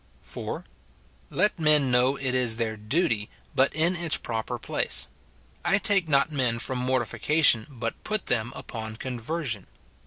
4. Let men know it is their duty, but in its proper place ; I take not men from mortification, but put them upon conversion.